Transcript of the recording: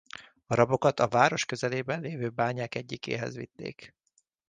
A rabokat a város közelében lévő bányák egyikéhez vitték.